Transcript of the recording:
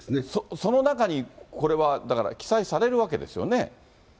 その中にこれはだから、記載されるわけですよね？